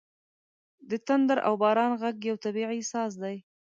• د تندر او باران ږغ یو طبیعي ساز دی.